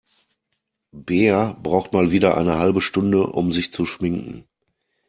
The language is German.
Bea braucht mal wieder eine halbe Stunde, um sich zu schminken.